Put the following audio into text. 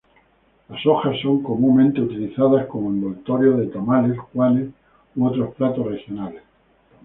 Las hojas son comúnmente utilizadas como envoltorio de tamales, juanes u otros platos regionales.